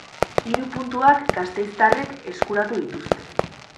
Hiru puntuak gasteiztarrek eskuratu dituzte.